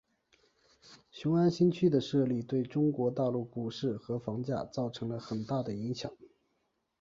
雄安新区的设立对中国大陆股市和房价造成了很大的影响。